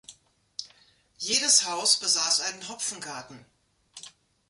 Jedes Haus besaß einen Hopfengarten.